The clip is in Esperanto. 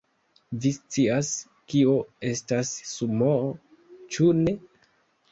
Vi scias, kio estas sumoo, ĉu ne?